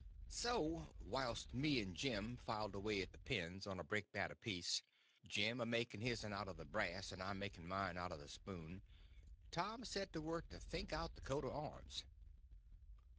So whilst me and Jim filed away at the pens on a brickbat apiece, Jim a making his'n out of the brass and I making mine out of the spoon, Tom set to work to think out the coat of arms.